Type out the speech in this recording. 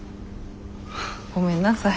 ごめんなさい。